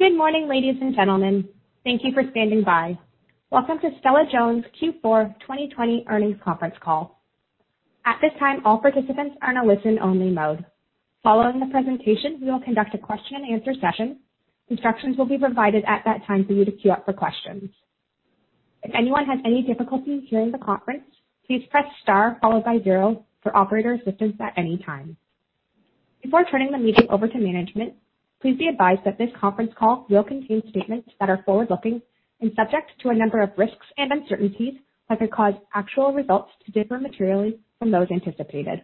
Good morning, ladies and gentlemen. Thank you for standing by. Welcome to Stella-Jones' Q4 2020 earnings conference call. At this time, all participants are in a listen-only mode. Following the presentation, we will conduct a question and answer session. Instructions will be provided at that time for you to queue up for questions. If anyone has any difficulty hearing the conference, please press star followed by zero for operator assistance at any time. Before turning the meeting over to management, please be advised that this conference call will contain statements that are forward-looking and subject to a number of risks and uncertainties that could cause actual results to differ materially from those anticipated.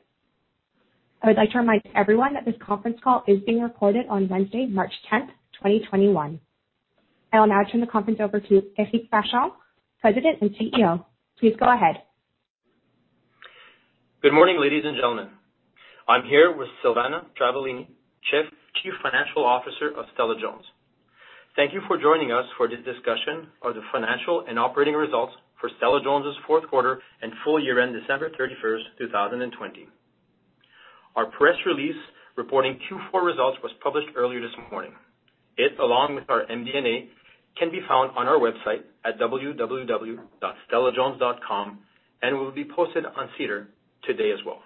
I would like to remind everyone that this conference call is being recorded on Wednesday, March 10th, 2021. I will now turn the conference over to Éric Vachon, President and CEO. Please go ahead. Good morning, ladies and gentlemen. I'm here with Silvana Travaglini, Chief Financial Officer of Stella-Jones. Thank you for joining us for this discussion of the financial and operating results for Stella-Jones' fourth quarter and full year end December 31st, 2020. Our press release reporting Q4 results was published earlier this morning. It, along with our MD&A, can be found on our website at www.stella-jones.com and will be posted on SEDAR today as well.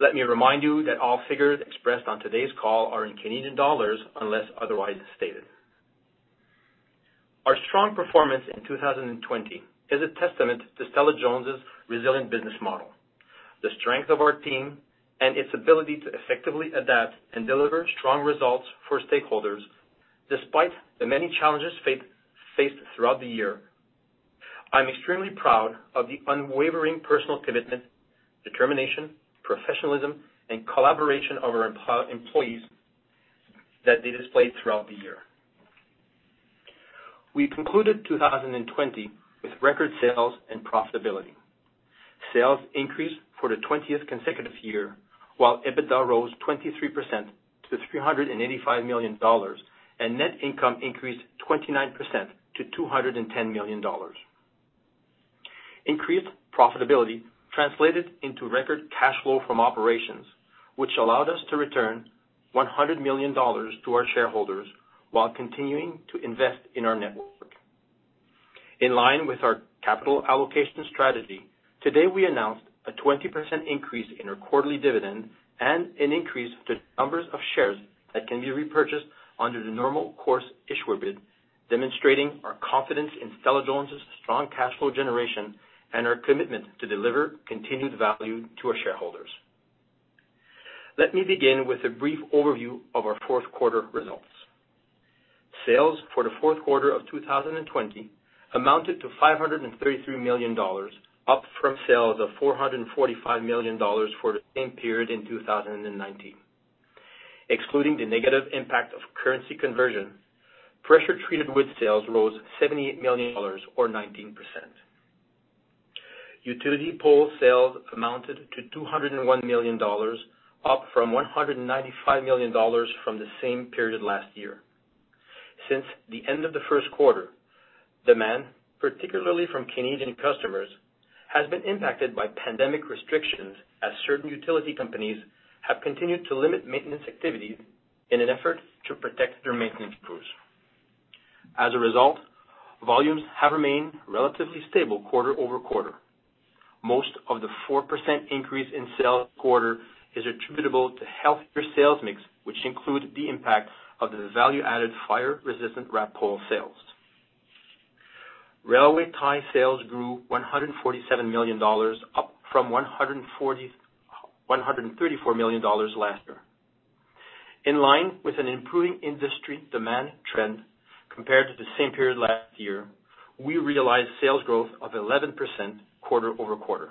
Let me remind you that all figures expressed on today's call are in Canadian dollars unless otherwise stated. Our strong performance in 2020 is a testament to Stella-Jones' resilient business model, the strength of our team, and its ability to effectively adapt and deliver strong results for stakeholders, despite the many challenges faced throughout the year. I'm extremely proud of the unwavering personal commitment, determination, professionalism, and collaboration of our employees that they displayed throughout the year. We concluded 2020 with record sales and profitability. Sales increased for the 20th consecutive year, while EBITDA rose 23% to 385 million dollars, and net income increased 29% to 210 million dollars. Increased profitability translated into record cash flow from operations, which allowed us to return 100 million dollars to our shareholders while continuing to invest in our network. In line with our capital allocation strategy, today we announced a 20% increase in our quarterly dividend and an increase to the numbers of shares that can be repurchased under the normal course issuer bid, demonstrating our confidence in Stella-Jones' strong cash flow generation and our commitment to deliver continued value to our shareholders. Let me begin with a brief overview of our fourth quarter results. Sales for the fourth quarter of 2020 amounted to 533 million dollars, up from sales of 445 million dollars for the same period in 2019. Excluding the negative impact of currency conversion, pressure treated wood sales rose 78 million dollars or 19%. Utility pole sales amounted to 201 million dollars, up from 195 million dollars from the same period last year. Since the end of the first quarter, demand, particularly from Canadian customers, has been impacted by pandemic restrictions as certain utility companies have continued to limit maintenance activities in an effort to protect their maintenance crews. As a result, volumes have remained relatively stable quarter-over-quarter. Most of the 4% increase in sales quarter is attributable to healthier sales mix, which include the impact of the value-added fire-resistant wrapped pole sales. Railway tie sales grew 147 million dollars, up from 140, 134 million dollars last year. In line with an improving industry demand trend compared to the same period last year, we realized sales growth of 11% quarter-over-quarter.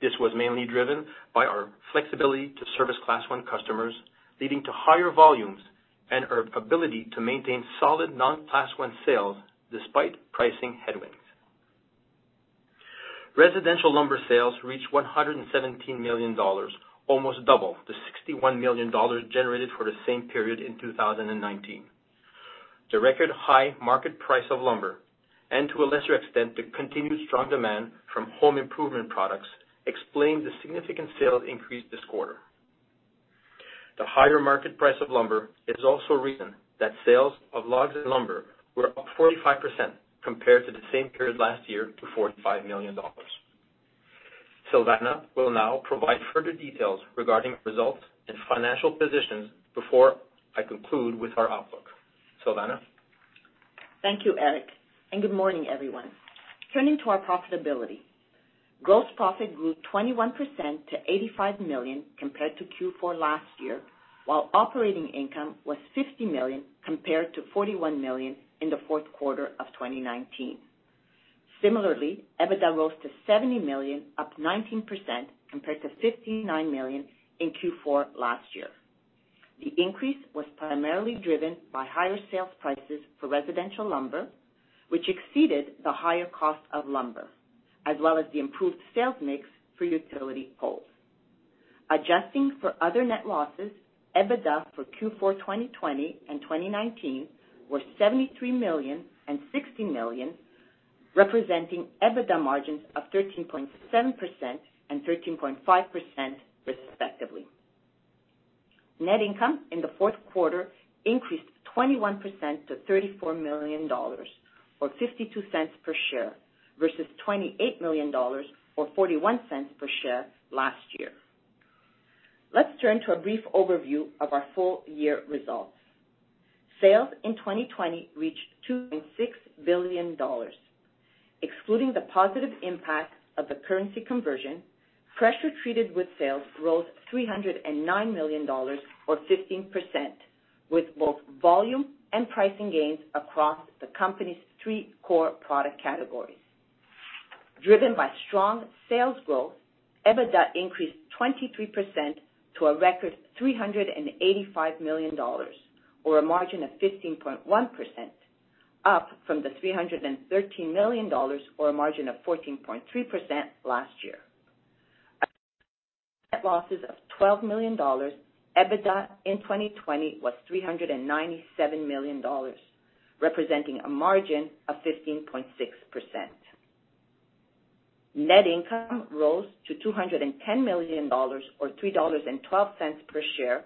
This was mainly driven by our flexibility to service Class I customers, leading to higher volumes and our ability to maintain solid non-Class I sales despite pricing headwinds. residential lumber sales reached 117 million dollars, almost double the 61 million dollars generated for the same period in 2019. The record high market price of lumber, and to a lesser extent, the continued strong demand from home improvement products, explain the significant sales increase this quarter. The higher market price of lumber is also a reason that sales of logs and lumber were up 45% compared to the same period last year to 45 million dollars. Silvana will now provide further details regarding results and financial positions before I conclude with our outlook. Silvana? Thank you, Éric. Good morning, everyone. Turning to our profitability. Gross profit grew 21% to 85 million compared to Q4 last year, while operating income was 50 million compared to 41 million in the fourth quarter of 2019. Similarly, EBITDA rose to 70 million, up 19% compared to 59 million in Q4 last year. The increase was primarily driven by higher sales prices for residential lumber, which exceeded the higher cost of lumber, as well as the improved sales mix for utility poles. Adjusting for other net losses, EBITDA for Q4 2020 and 2019 were 73 million and 60 million, representing EBITDA margins of 13.7% and 13.5%, respectively. Net income in the fourth quarter increased 21% to 34 million dollars, or 0.52 per share, versus 28 million dollars, or 0.41 per share last year. Let's turn to a brief overview of our full-year results. Sales in 2020 reached 2.6 billion dollars. Excluding the positive impact of the currency conversion, pressure-treated wood sales rose 309 million dollars, or 15%, with both volume and pricing gains across the company's three core product categories. Driven by strong sales growth, EBITDA increased 23% to a record 385 million dollars, or a margin of 15.1%, up from the 313 million dollars, or a margin of 14.3% last year. losses of 12 million dollars, EBITDA in 2020 was 397 million dollars, representing a margin of 15.6%. Net income rose to 210 million dollars, or 3.12 dollars per share,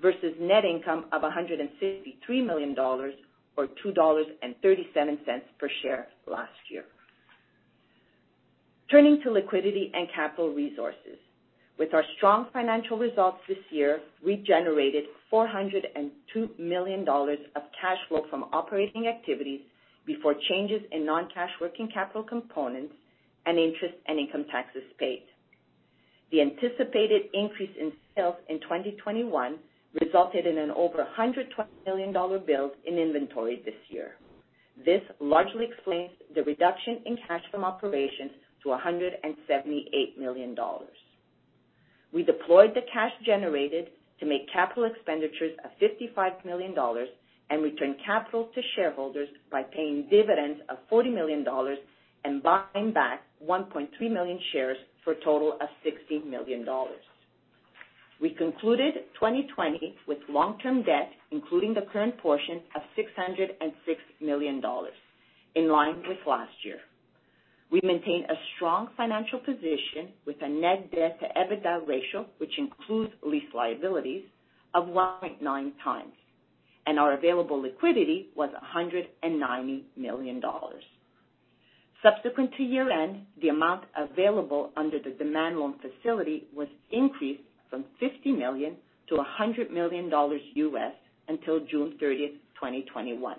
versus net income of 153 million dollars, or 2.37 dollars per share last year. Turning to liquidity and capital resources. With our strong financial results this year, we generated 402 million dollars of cash flow from operating activities before changes in non-cash working capital components and interest and income taxes paid. The anticipated increase in sales in 2021 resulted in an over 120 million dollar build in inventory this year. This largely explains the reduction in cash from operations to 178 million dollars. We deployed the cash generated to make capital expenditures of 55 million dollars and return capital to shareholders by paying dividends of 40 million dollars and buying back 1.3 million shares for a total of 60 million dollars. We concluded 2020 with long-term debt, including the current portion, of 606 million dollars, in line with last year. We maintain a strong financial position with a net debt to EBITDA ratio, which includes lease liabilities, of 1.9x, and our available liquidity was 190 million dollars. Subsequent to year-end, the amount available under the demand loan facility was increased from $50 million $100 million U.S. until June 30, 2021,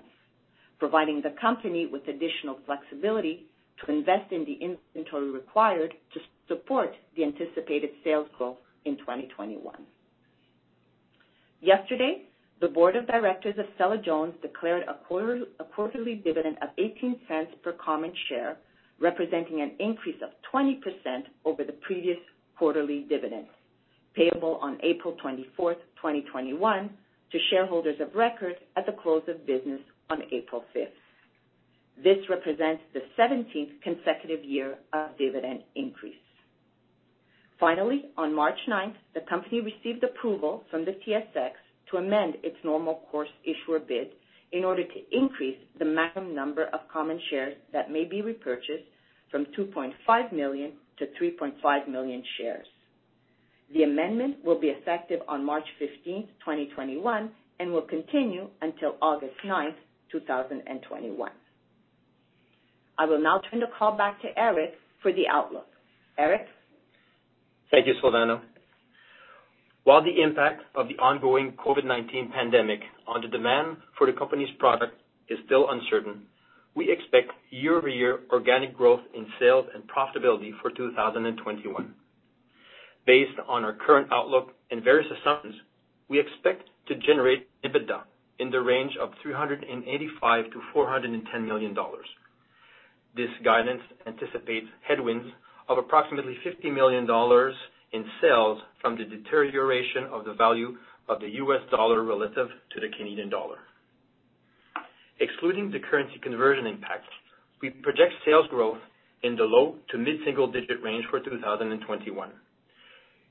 providing the company with additional flexibility to invest in the inventory required to support the anticipated sales growth in 2021. Yesterday, the board of directors of Stella-Jones declared a quarterly dividend of 0.18 per common share, representing an increase of 20% over the previous quarterly dividend, payable on April 24th, 2021 to shareholders of record at the close of business on April 5th. This represents the 17th consecutive year of dividend increase. Finally, on March 9th, the company received approval from the TSX to amend its normal course issuer bid in order to increase the maximum number of common shares that may be repurchased from 2.5 million-3.5 million shares. The amendment will be effective on March 15th, 2021, and will continue until August 9th, 2021. I will now turn the call back to Eric for the outlook. Eric? Thank you, Silvana. While the impact of the ongoing COVID-19 pandemic on the demand for the company's product is still uncertain, we expect year-over-year organic growth in sales and profitability for 2021. Based on our current outlook and various assumptions, we expect to generate EBITDA in the range of 385 million-410 million dollars. This guidance anticipates headwinds of approximately 50 million dollars in sales from the deterioration of the value of the U.S. dollar relative to the Canadian dollar. Excluding the currency conversion impact, we project sales growth in the low to mid-single digit range for 2021.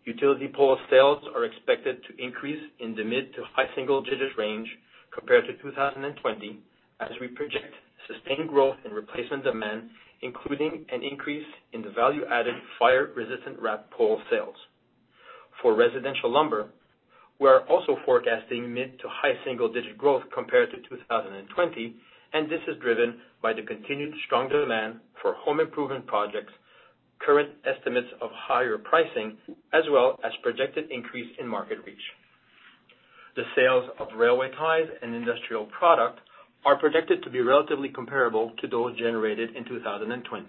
Utility pole sales are expected to increase in the mid to high single digits range compared to 2020, as we project sustained growth in replacement demand, including an increase in the value-added fire-resistant wrapped pole sales. For residential lumber, we are also forecasting mid to high single-digit growth compared to 2020. This is driven by the continued strong demand for home improvement projects, current estimates of higher pricing, as well as projected increase in market reach. The sales of railway ties and industrial product are projected to be relatively comparable to those generated in 2020.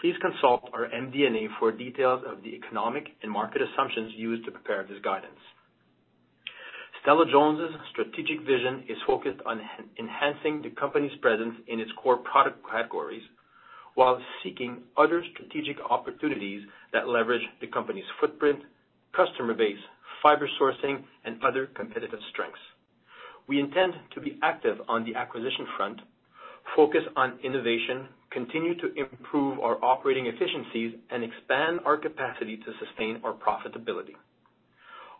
Please consult our MD&A for details of the economic and market assumptions used to prepare this guidance. Stella-Jones' strategic vision is focused on enhancing the company's presence in its core product categories while seeking other strategic opportunities that leverage the company's footprint, customer base, fiber sourcing, and other competitive strengths. We intend to be active on the acquisition front, focus on innovation, continue to improve our operating efficiencies, and expand our capacity to sustain our profitability.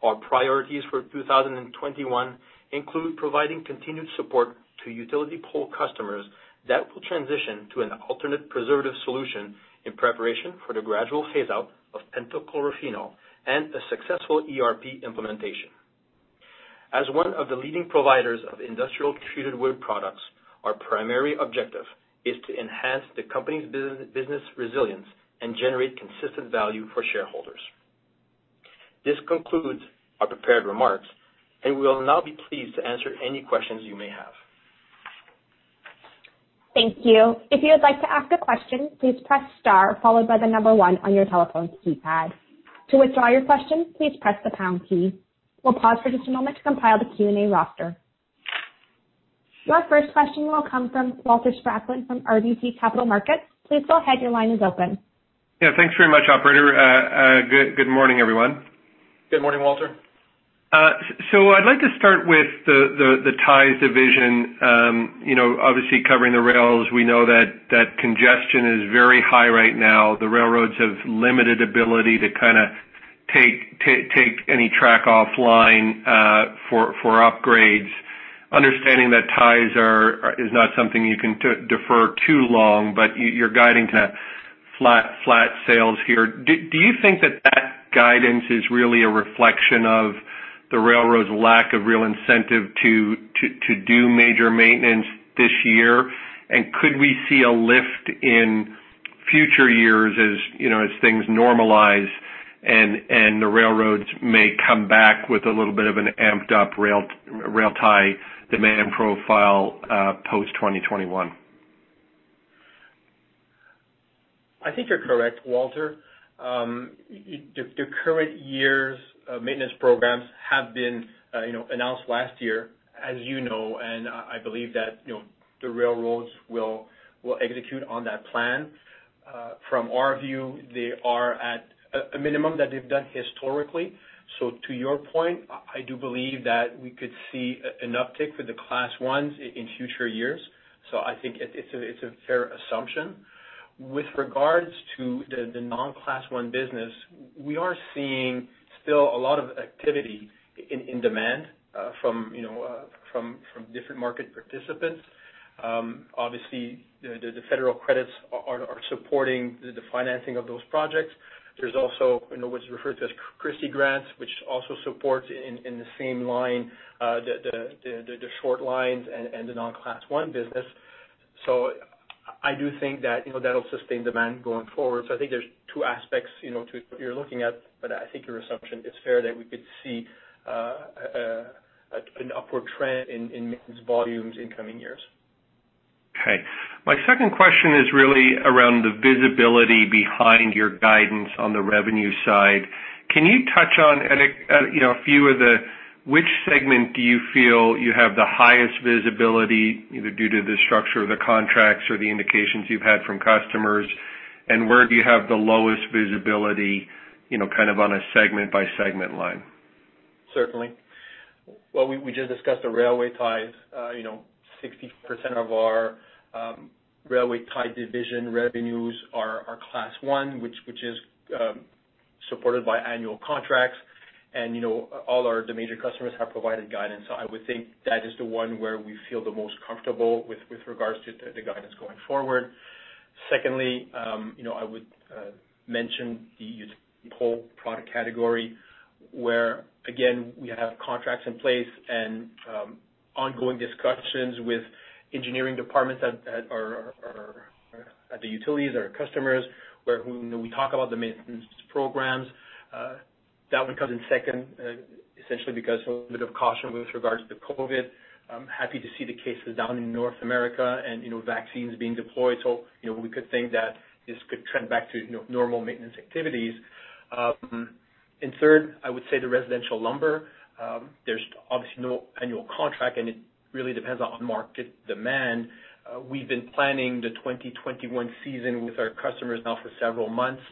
Our priorities for 2021 include providing continued support to utility pole customers that will transition to an alternate preservative solution in preparation for the gradual phase-out of pentachlorophenol and a successful ERP implementation. As one of the leading providers of industrial treated wood products, our primary objective is to enhance the company's business resilience and generate consistent value for shareholders. This concludes our prepared remarks, and we will now be pleased to answer any questions you may have. Thank you. If you would like to ask a question, please press star followed by the number one on your telephone keypad. To withdraw your question, please press the pound key. We'll pause for just a moment to compile the Q&A roster. Your first question will come from Walter Spracklin from RBC Capital Markets. Please go ahead. Your line is open. Yeah. Thanks very much, operator. Good morning, everyone. Good morning, Walter. I'd like to start with the ties division. Obviously covering the rails, we know that congestion is very high right now. The railroads have limited ability to kind of take any track offline for upgrades. Understanding that ties is not something you can defer too long, but you're guiding to flat sales here. Do you think that that guidance is really a reflection of the railroad's lack of real incentive to do major maintenance this year? Could we see a lift in future years as things normalize and the railroads may come back with a little bit of an amped-up rail tie demand profile post-2021? I think you're correct, Walter. The current year's maintenance programs have been announced last year, as you know, and I believe that the railroads will execute on that plan. From our view, they are at a minimum that they've done historically. To your point, I do believe that we could see an uptick for the Class I in future years. I think it's a fair assumption. With regards to the non-Class I business, we are seeing still a lot of activity in demand from different market participants. Obviously, the federal credits are supporting the financing of those projects. There's also what's referred to as CRISI grants, which also support in the same line, the short lines and the non-Class I business. I do think that that'll sustain demand going forward. I think there's two aspects to what you're looking at, but I think your assumption is fair that we could see an upward trend in maintenance volumes in coming years. Okay. My second question is really around the visibility behind your guidance on the revenue side. Can you touch on which segment do you feel you have the highest visibility, either due to the structure of the contracts or the indications you've had from customers? Where do you have the lowest visibility on a segment-by-segment line? Certainly. Well, we just discussed the railway ties. 60% of our railway tie division revenues are Class I, which is supported by annual contracts. All our major customers have provided guidance. I would think that is the one where we feel the most comfortable with regards to the guidance going forward. Secondly, I would mention the utility pole product category, where again, we have contracts in place and ongoing discussions with engineering departments at the utilities, our customers, where we talk about the maintenance programs. That one comes in second, essentially because a little bit of caution with regards to COVID-19. I'm happy to see the cases down in North America and vaccines being deployed. We could think that this could trend back to normal maintenance activities. Third, I would say the residential lumber. There's obviously no annual contract, and it really depends on market demand. We've been planning the 2021 season with our customers now for several months.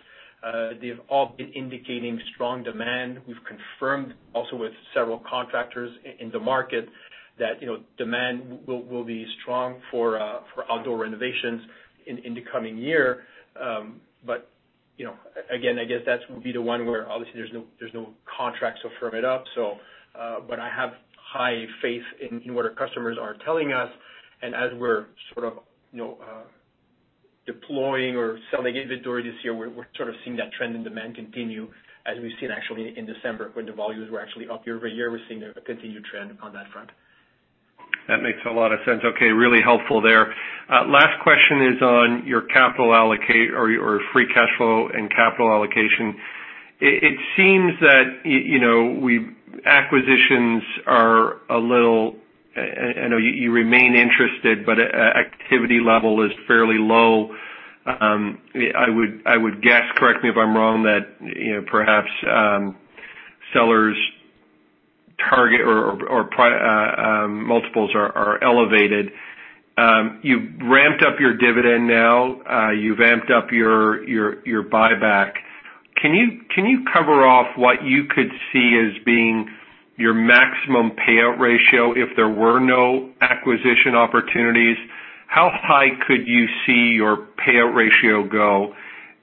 They've all been indicating strong demand. We've confirmed also with several contractors in the market that demand will be strong for outdoor renovations in the coming year. Again, I guess that would be the one where obviously there's no contract, so firm it up. I have high faith in what our customers are telling us. As we're sort of deploying or selling inventory this year, we're sort of seeing that trend in demand continue as we've seen actually in December when the volumes were actually up year-over-year. We're seeing a continued trend on that front. That makes a lot of sense. Okay. Really helpful there. Last question is on your free cash flow and capital allocation. It seems that acquisitions are, I know you remain interested, but activity level is fairly low. I would guess, correct me if I'm wrong, that perhaps sellers' target or multiples are elevated. You've ramped up your dividend now, you've amped up your buyback. Can you cover off what you could see as being your maximum payout ratio if there were no acquisition opportunities? How high could you see your payout ratio go?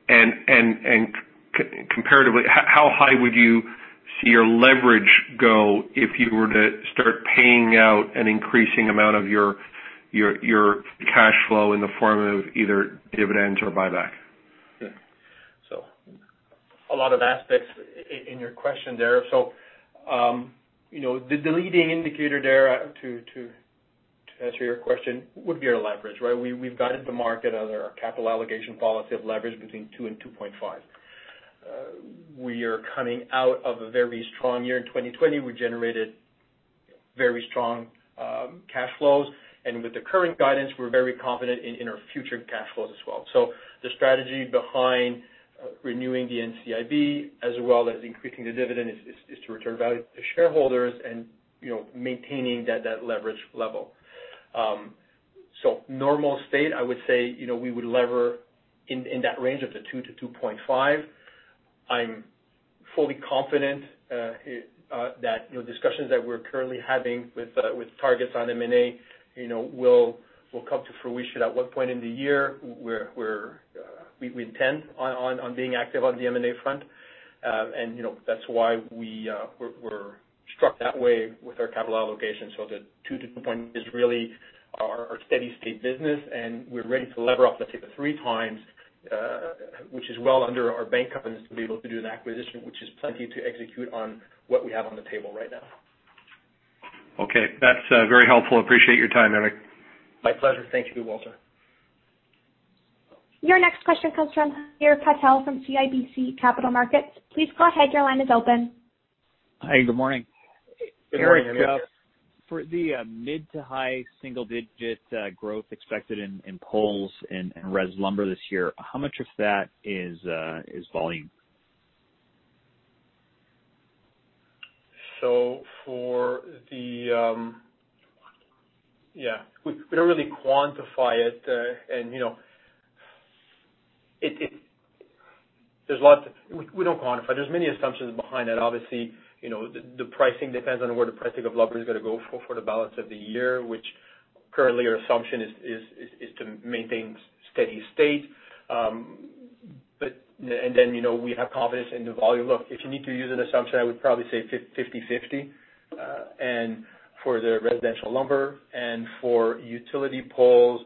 Comparatively, how high would you see your leverage go if you were to start paying out an increasing amount of your cash flow in the form of either dividends or buyback? Yeah. A lot of aspects in your question there. The leading indicator there to answer your question would be our leverage, right? We've guided the market on our capital allocation policy of leverage between 2 and 2.5. We are coming out of a very strong year. In 2020, we generated very strong cash flows. With the current guidance, we're very confident in our future cash flows as well. The strategy behind renewing the NCIB as well as increasing the dividend is to return value to shareholders and maintaining that leverage level. Normal state, I would say, we would lever in that range of the 2-2.5. I'm fully confident that the discussions that we're currently having with targets on M&A will come to fruition at one point in the year, we intend on being active on the M&A front. That's why we're struck that way with our capital allocation. The 2-2.5 is really our steady state business, and we're ready to lever up, let's say, to 3x, which is well under our bank covenants to be able to do an acquisition, which is plenty to execute on what we have on the table right now. Okay. That's very helpful. Appreciate your time, Éric. My pleasure. Thank you, Walter. Your next question comes from Hamir Patel from CIBC Capital Markets. Please go ahead. Your line is open. Hi, good morning. Good morning, Hamir. For the mid to high single-digit growth expected in poles and res lumber this year, how much of that is volume? Yeah, we don't really quantify it. We don't quantify it. There's many assumptions behind that. Obviously, the pricing depends on where the pricing of lumber is gonna go for the balance of the year, which currently our assumption is to maintain steady state. Then, we have confidence in the volume. Look, if you need to use an assumption, I would probably say 50/50. For the residential lumber and for utility poles,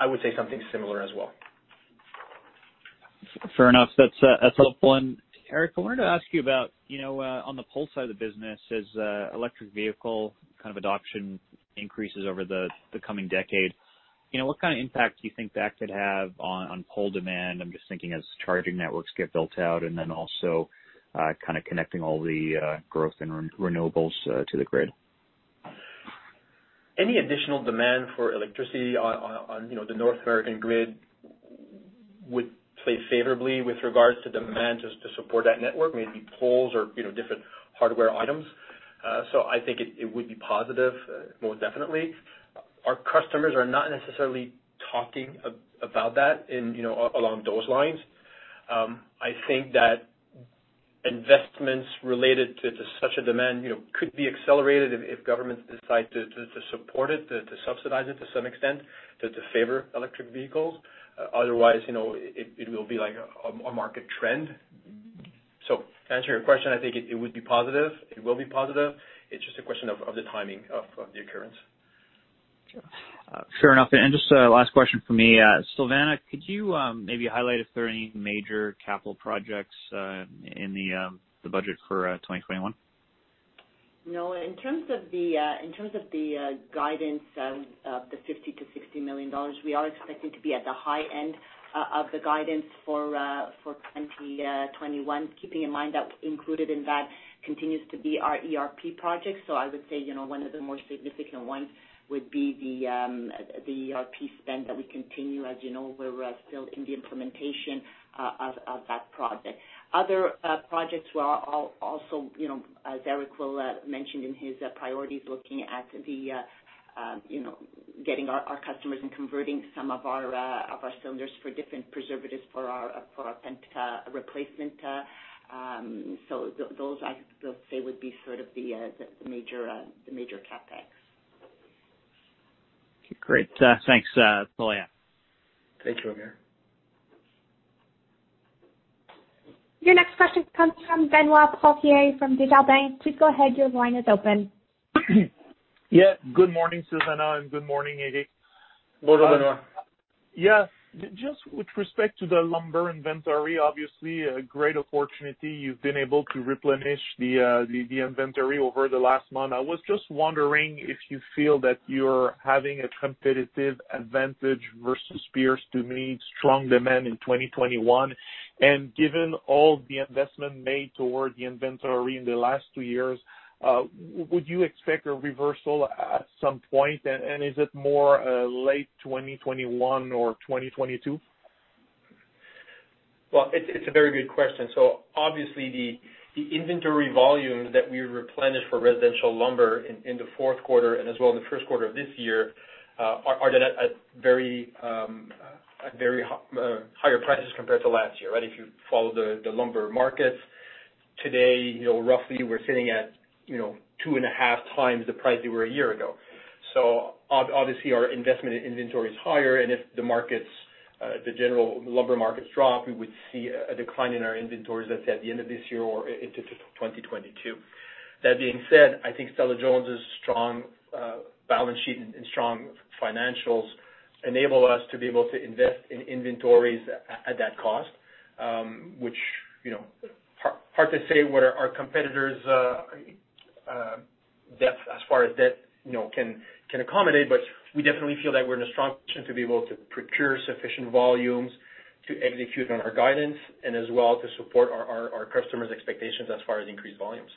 I would say something similar as well. Fair enough. That's a helpful one. Eric, I wanted to ask you about on the pole side of the business, as electric vehicle kind of adoption increases over the coming decade, what kind of impact do you think that could have on pole demand? I'm just thinking as charging networks get built out and then also kind of connecting all the growth in renewables to the grid. Any additional demand for electricity on the North American grid would play favorably with regards to demand just to support that network, may it be poles or different hardware items. I think it would be positive, most definitely. Our customers are not necessarily talking about that along those lines. I think that investments related to such a demand could be accelerated if governments decide to support it, to subsidize it to some extent, to favor electric vehicles. Otherwise, it will be like a market trend. To answer your question, I think it would be positive. It will be positive. It's just a question of the timing of the occurrence. Sure enough. Just last question from me. Silvana, could you maybe highlight if there are any major capital projects in the budget for 2021? No. In terms of the guidance of the 50 million- 60 million dollars, we are expecting to be at the high end of the guidance for 2021, keeping in mind that included in that continues to be our ERP project. I would say, one of the more significant ones would be the ERP spend that we continue. As you know, we're still in the implementation of that project. Other projects were also, as Éric mentioned in his priorities, looking at getting our customers and converting some of our cylinders for different preservatives for our penta replacement. Those, I'd say, would be sort of the major CapEx. Okay, great. Thanks, Silvana. Thank you, Hamir. Your next question comes from Benoit Poirier from Desjardins. Please go ahead. Your line is open. Yeah. Good morning, Silvana, and good morning, AG. Good morning, Benoit. Yeah. Just with respect to the lumber inventory, obviously a great opportunity. You've been able to replenish the inventory over the last month. I was just wondering if you feel that you're having a competitive advantage versus peers to meet strong demand in 2021. Given all the investment made toward the inventory in the last two years, would you expect a reversal at some point? Is it more late 2021 or 2022? Well, it's a very good question. Obviously the inventory volume that we replenished for residential lumber in the fourth quarter and as well in the first quarter of this year are at very higher prices compared to last year, right? If you follow the lumber markets. Today, roughly we're sitting at 2.5x the price we were one year ago. Obviously our investment in inventory is higher, and if the general lumber markets drop, we would see a decline in our inventories, let's say, at the end of this year or into 2022. That being said, I think Stella-Jones' strong balance sheet and strong financials enable us to be able to invest in inventories at that cost, which, hard to say what our competitors' depth as far as debt can accommodate, but we definitely feel that we're in a strong position to be able to procure sufficient volumes to execute on our guidance and as well to support our customers' expectations as far as increased volumes.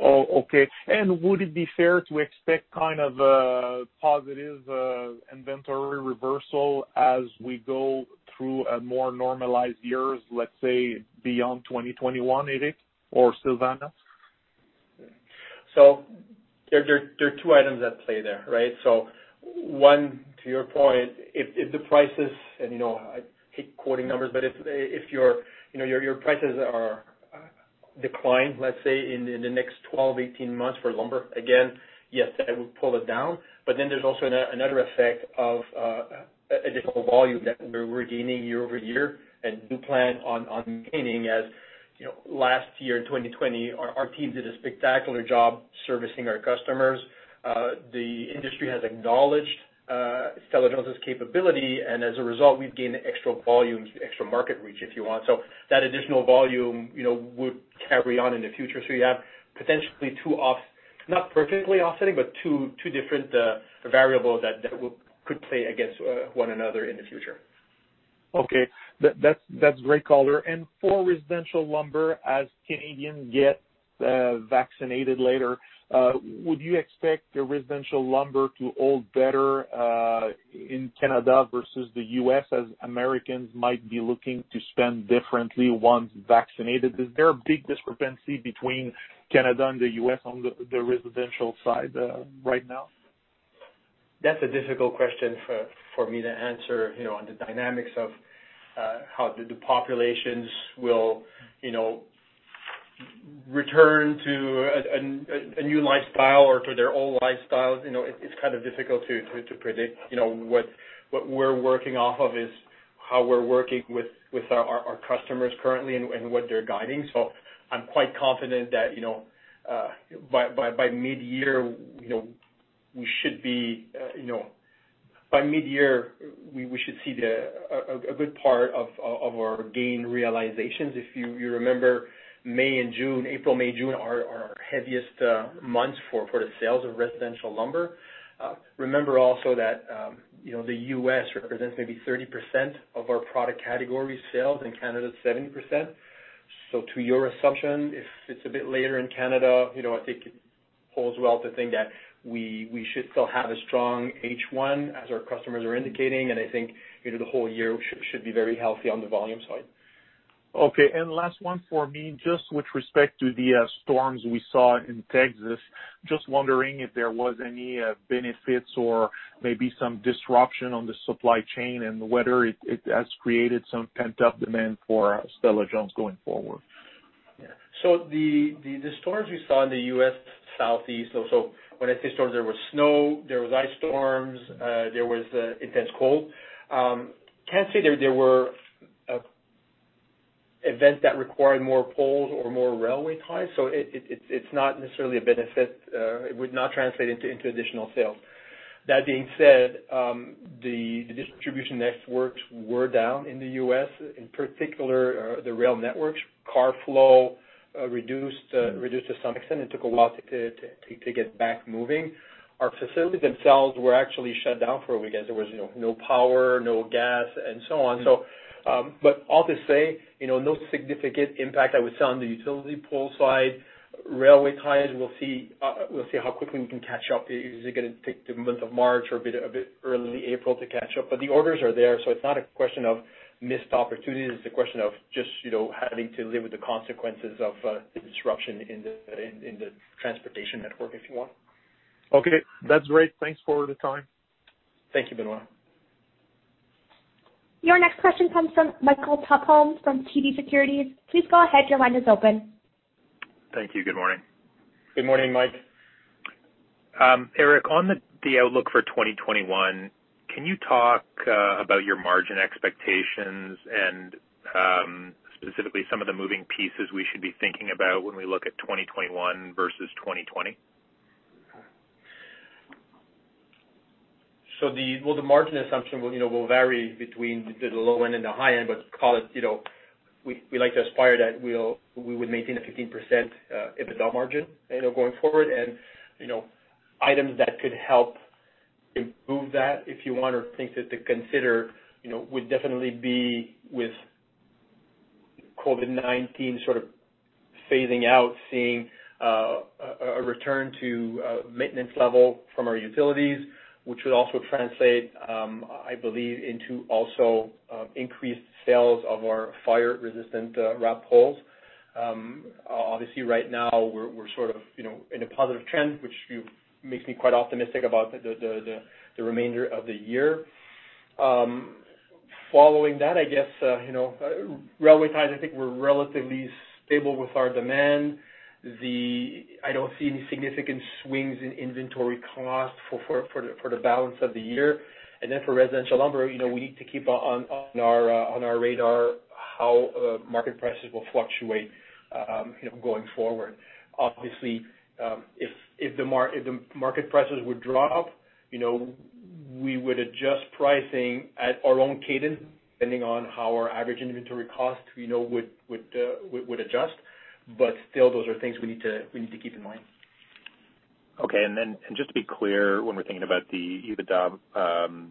Oh, okay. Would it be fair to expect kind of a positive inventory reversal as we go through a more normalized years, let's say, beyond 2021, Eric or Silvana? There are two items at play there, right? One, to your point, if the prices, and I hate quoting numbers, but if your prices are declined, let's say, in the next 12, 18 months for lumber, again, yes, that would pull it down, but then there's also another effect of additional volume that we're gaining year-over-year and do plan on gaining. Last year in 2020, our teams did a spectacular job servicing our customers. The industry has acknowledged Stella-Jones' capability, and as a result, we've gained extra volume, extra market reach, if you want. That additional volume would carry on in the future. You have potentially two, not perfectly offsetting, but two different variables that could play against one another in the future. Okay. That's great color. For residential lumber, as Canadians get vaccinated later, would you expect the residential lumber to hold better in Canada versus the U.S. as Americans might be looking to spend differently once vaccinated? Is there a big discrepancy between Canada and the U.S. on the residential side right now? That's a difficult question for me to answer on the dynamics of how the populations will return to a new lifestyle or to their old lifestyles. It's kind of difficult to predict. What we're working off of is how we're working with our customers currently and what they're guiding. I'm quite confident that by mid-year we should see a good part of our gain realizations. If you remember April, May, June are our heaviest months for the sales of residential lumber. Remember also that the U.S. represents maybe 30% of our product category sales and Canada is 70%. To your assumption, if it's a bit later in Canada, I think it holds well to think that we should still have a strong H1 as our customers are indicating, and I think the whole year should be very healthy on the volume side. Okay, last one for me. Just with respect to the storms we saw in Texas, just wondering if there was any benefits or maybe some disruption on the supply chain and whether it has created some pent-up demand for Stella-Jones going forward? Yeah. The storms we saw in the U.S. Southeast, when I say storms, there was snow, there was ice storms, there was intense cold. Can't say there were events that required more poles or more railway ties, it's not necessarily a benefit. It would not translate into additional sales. That being said, the distribution networks were down in the U.S., in particular the rail networks. Car flow reduced to some extent. It took a while to get back moving. Our facilities themselves were actually shut down for one week as there was no power, no gas and so on. All to say, no significant impact, I would say, on the utility pole side. Railway ties, we'll see how quickly we can catch up. Is it gonna take the month of March or a bit early April to catch up? The orders are there, so it's not a question of missed opportunities. It's a question of just having to live with the consequences of the disruption in the transportation network, if you want. Okay. That's great. Thanks for the time. Thank you, Benoit. Your next question comes from Michael Tupholme from TD Securities. Please go ahead. Your line is open. Thank you. Good morning. Good morning, Mike. Éric, on the outlook for 2021, can you talk about your margin expectations and specifically some of the moving pieces we should be thinking about when we look at 2021 versus 2020? Well, the margin assumption will vary between the low end and the high end, but call it, we like to aspire that we would maintain a 15% EBITDA margin going forward. Items that could help improve that, if you want, or things to consider would definitely be with COVID-19 sort of phasing out, seeing a return to maintenance level from our utilities, which would also translate, I believe, into also increased sales of our fire-resistant wrapped poles. Obviously right now we're sort of in a positive trend, which makes me quite optimistic about the remainder of the year. Following that, railway ties, I think we're relatively stable with our demand. I don't see any significant swings in inventory cost for the balance of the year. For residential lumber, we need to keep on our radar how market prices will fluctuate going forward. Obviously, if the market prices would drop, we would adjust pricing at our own cadence depending on how our average inventory cost would adjust. Still, those are things we need to keep in mind. Okay. Just to be clear, when we're thinking about the EBITDA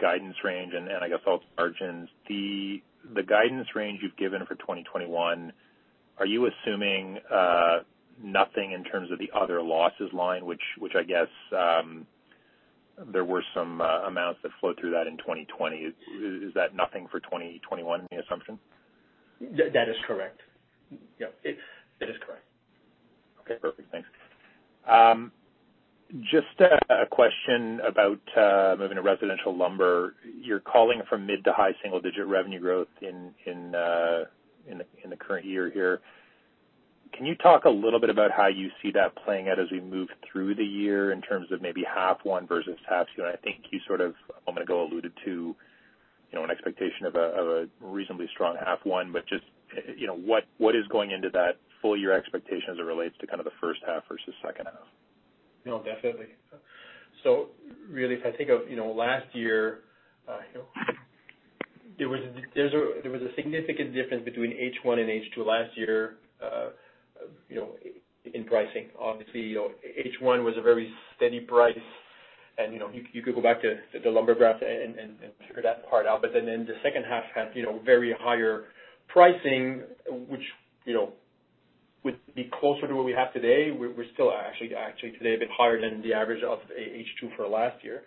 guidance range, and I guess all the margins, the guidance range you've given for 2021, are you assuming nothing in terms of the other losses line, which I guess there were some amounts that flowed through that in 2020? Is that nothing for 2021, the assumption? That is correct. Yeah. That is correct. Okay, perfect. Thanks. Just a question about moving to residential lumber, you're calling from mid to high single digit revenue growth in the current year here. Can you talk a little bit about how you see that playing out as we move through the year in terms of maybe half one versus half two? I think you sort of, a moment ago, alluded to an expectation of a reasonably strong half one, but just what is going into that full year expectation as it relates to kind of the first half versus second half? No, definitely. Really, if I think of last year, there was a significant difference between H1 and H2 last year in pricing. Obviously, H1 was a very steady price, you could go back to the lumber graph and figure that part out. In the second half had very higher pricing, which would be closer to what we have today. We're still actually today a bit higher than the average of H2 for last year.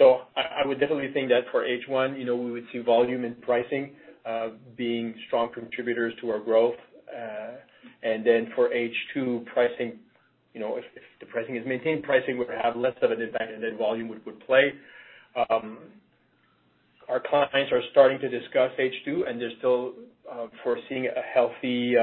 I would definitely think that for H1, we would see volume and pricing being strong contributors to our growth. For H2 pricing, if the pricing is maintained, pricing would have less of an impact and then volume would play. Our clients are starting to discuss H2. They're still foreseeing a healthy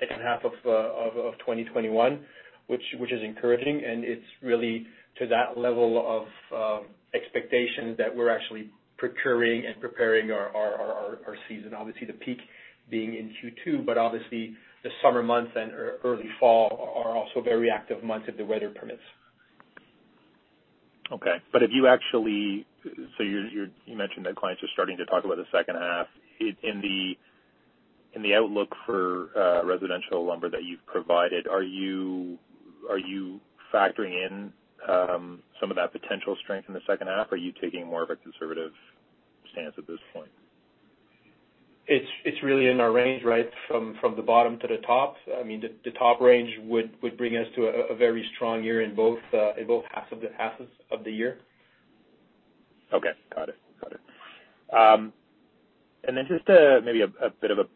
second half of 2021, which is encouraging. It's really to that level of expectations that we're actually procuring and preparing our season. Obviously, the peak being in Q2. Obviously, the summer months and early fall are also very active months if the weather permits. Okay. You actually mentioned that clients are starting to talk about the second half. In the outlook for residential lumber that you've provided, are you factoring in some of that potential strength in the second half, or are you taking more of a conservative stance at this point? It's really in our range from the bottom to the top. The top range would bring us to a very strong year in both halves of the year. Okay. Got it. Just maybe a bit of a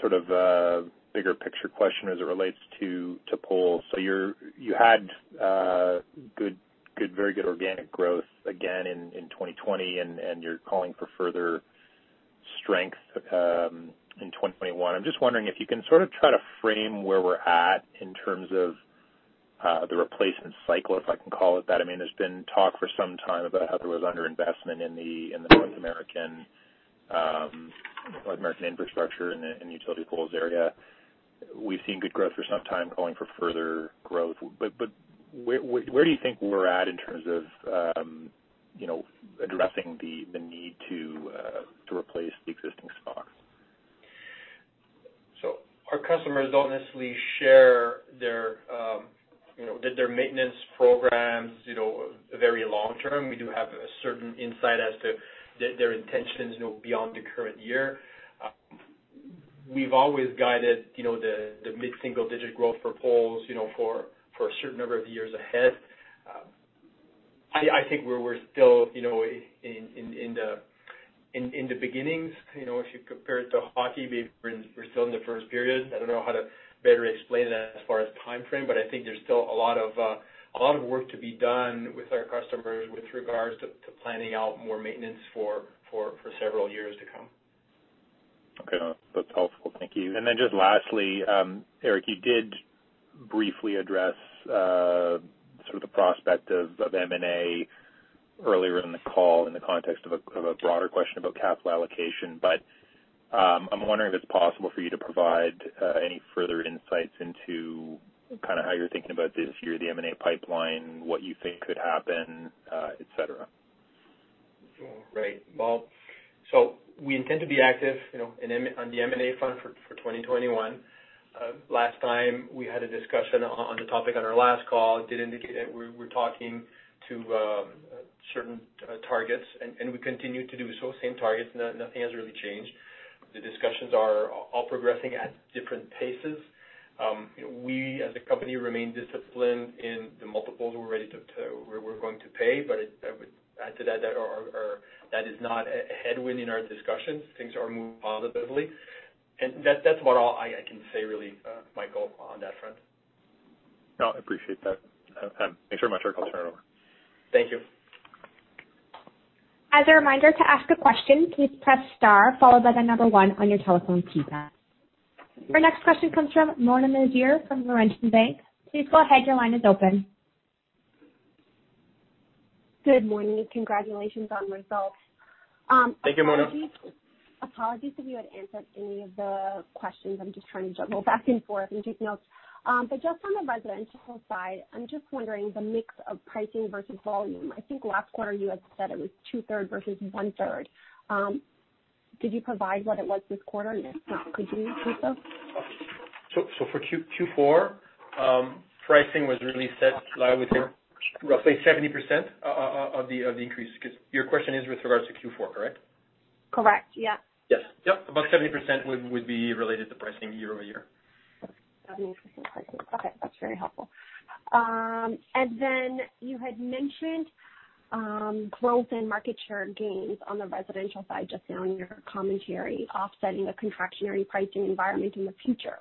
sort of bigger picture question as it relates to poles. You had very good organic growth again in 2020, and you're calling for further strength in 2021. I'm just wondering if you can sort of try to frame where we're at in terms of the replacement cycle, if I can call it that. There's been talk for some time about how there was under-investment in the North American infrastructure in the utility poles area. We've seen good growth for some time calling for further growth. Where do you think we're at in terms of addressing the need to replace the existing stock? Our customers don't necessarily share their maintenance programs very long term. We do have a certain insight as to their intentions beyond the current year. We've always guided the mid-single digit growth for poles for a certain number of years ahead. I think we're still in the beginnings. If you compare it to hockey, we're still in the first period. I don't know how to better explain that as far as time frame, but I think there's still a lot of work to be done with our customers with regards to planning out more maintenance for several years to come. Okay. No, that's helpful. Thank you. Then just lastly, Éric, you did briefly address sort of the prospect of M&A earlier in the call in the context of a broader question about capital allocation. I'm wondering if it's possible for you to provide any further insights into kind of how you're thinking about this year, the M&A pipeline, what you think could happen, et cetera. Well, we intend to be active on the M&A front for 2021. Last time we had a discussion on the topic on our last call, I did indicate that we're talking to certain targets, and we continue to do so, same targets. Nothing has really changed. The discussions are all progressing at different paces. We, as a company, remain disciplined in the multiples we're going to pay. I would add to that is not a headwind in our discussions. Things are moving positively. That's about all I can say, really, Michael, on that front. No, I appreciate that, Tim. Thanks very much. I'll turn it over. Thank you. As a reminder to ask a question please press star followed by the number one on your telephone keypad. Your next question comes from Mona Nazir from Laurentian Bank. Please go ahead. Your line is open. Good morning. Congratulations on results. Thank you, Mona. Apologies if you had answered any of the questions. I'm just trying to juggle back and forth and take notes. Just on the residential side, I'm just wondering the mix of pricing versus volume. I think last quarter you had said it was two-third versus one-third. Did you provide what it was this quarter? If not, could you please do so? For Q4, pricing was really set. I would say roughly 70% of the increase, because your question is with regards to Q4, correct? Correct. Yeah. Yes. About 70% would be related to pricing year-over-year. 70% pricing. Okay, that's very helpful. You had mentioned growth in market share gains on the residential side, just now in your commentary, offsetting a contractionary pricing environment in the future.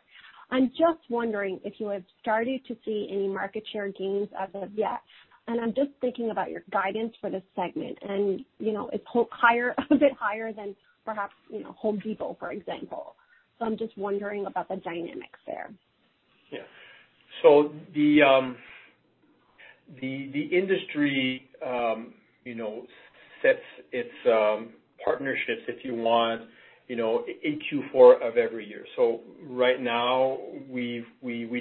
I'm just wondering if you have started to see any market share gains as of yet, and I'm just thinking about your guidance for this segment, and it's a bit higher than perhaps The Home Depot, for example. I'm just wondering about the dynamics there. Yeah. The industry sets its partnerships, if you want, in Q4 of every year. Right now we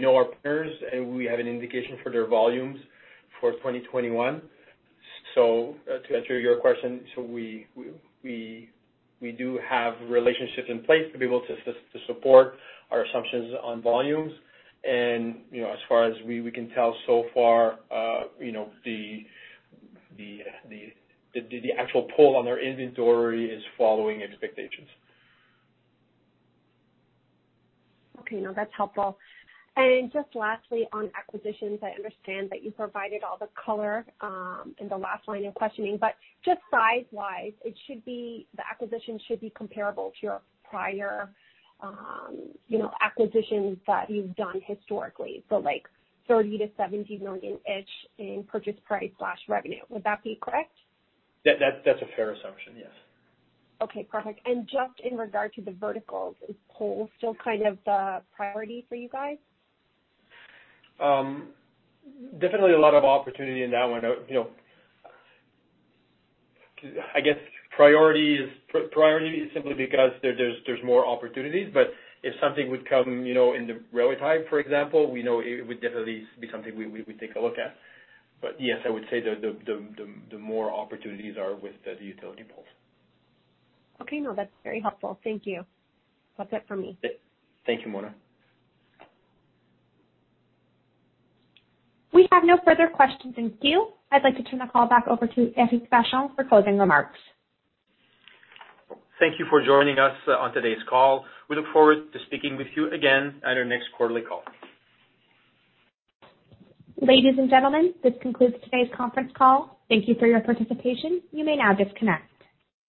know our partners, and we have an indication for their volumes for 2021. To answer your question, so we do have relationships in place to be able to support our assumptions on volumes. As far as we can tell so far, the actual pull on their inventory is following expectations. Okay. No, that's helpful. Just lastly, on acquisitions, I understand that you provided all the color in the last line of questioning, but just size-wise, the acquisition should be comparable to your prior acquisitions that you've done historically. Like 30 million-70 million-ish in purchase price/revenue. Would that be correct? That's a fair assumption, yes. Okay, perfect. Just in regard to the verticals, is poles still the priority for you guys? Definitely a lot of opportunity in that one. I guess priority is simply because there's more opportunities. If something would come in the railway type, for example, we know it would definitely be something we would take a look at. Yes, I would say the more opportunities are with the utility poles. Okay. No, that's very helpful. Thank you. That's it for me. Thank you, Mona. We have no further questions in queue. I'd like to turn the call back over to Éric Vachon for closing remarks. Thank you for joining us on today's call. We look forward to speaking with you again at our next quarterly call. Ladies and gentlemen, this concludes today's conference call. Thank you for your participation. You may now disconnect.